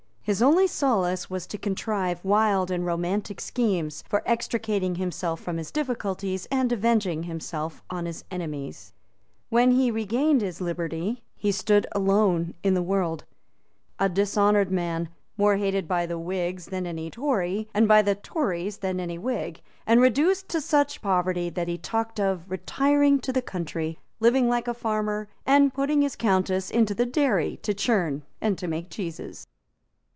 His only solace was to contrive wild and romantic schemes for extricating himself from his difficulties and avenging himself on his enemies. When he regained his liberty, he stood alone in the world, a dishonoured man, more hated by the Whigs than any Tory, and by the Tories than any Whig, and reduced to such poverty that he talked of retiring to the country, living like a farmer, and putting his Countess into the dairy to churn and to make cheeses.